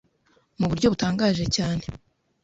mu buryo butangaje cyane